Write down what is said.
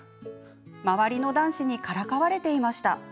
周りの男子にからかわれていました。